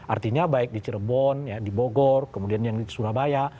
artinya baik di cirebon di bogor kemudian yang di surabaya